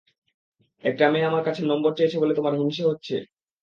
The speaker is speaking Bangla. একটা মেয়ে আমার কাছে নম্বর চেয়েছে বলে তোমার হিংসে হচ্ছে।